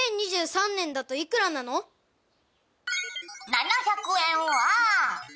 「７００円は」